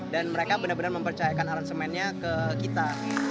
dan mereka benar benar mempercayakan aransemennya ke kita